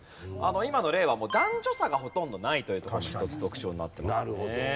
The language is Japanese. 今の令和も男女差がほとんどないというところも一つ特徴になってますね。